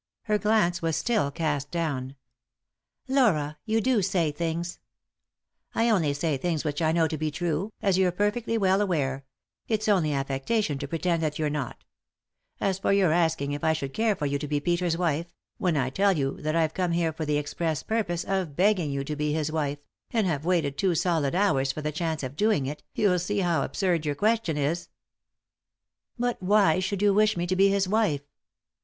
Her glance was still cast down. "Laura 1 You do say things 1" " I only say things which I know to be true, as you're perfectly well aware— it's only affectation to pretend that you're not As for your asking if I should care for you to be Peter's wife ; when I tell you that I've come here for the express purpose of begging you to be his wife, and have waited two solid hours for the chance of doing it, you'll see how absurd your ques tion is." 135 3i 9 iii^d by Google THE INTERRUPTED KISS "But why should you wish me to be his wife?"